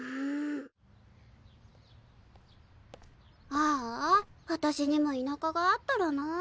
あああたしにも田舎があったらなあ。